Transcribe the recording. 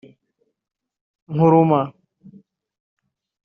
Nkurumah